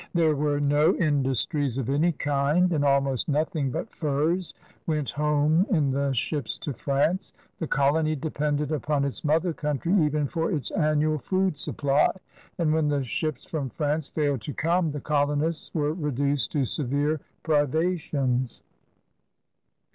There were no industries of any kind, and almost nothing but furs went home in the ships to France. The colony de pended upon its mother country even for its annual food supply, and when the ships from France failed to come the colonists were reduced to severe privations.